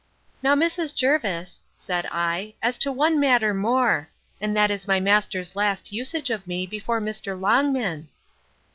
Now, Mrs. Jervis, said I, as to one matter more: and that is my master's last usage of me, before Mr. Longman.